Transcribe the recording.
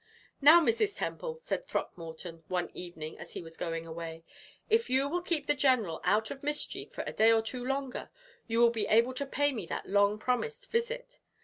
"Now, Mrs. Temple," said Throckmorton one evening as he was going away, "if you will keep the general out of mischief for a day or two longer, you will be able to pay me that long promised visit.